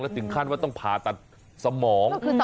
ถึงขั้นว่าต้องผ่าตัดสมอง